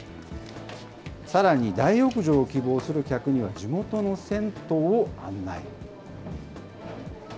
さらに大浴場を希望する客には、地元の銭湯を案内。